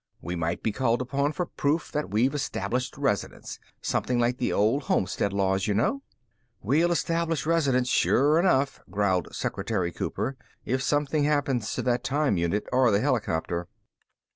We might be called upon for proof that we've established residence. Something like the old homestead laws, you know." "We'll establish residence sure enough," growled Secretary Cooper, "if something happens to that time unit or the helicopter."